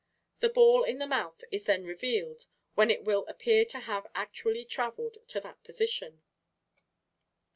The ball in the mouth is then revealed, when it will appear to have actually traveled to that position.